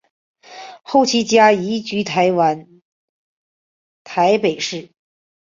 后其家移居台湾台北市。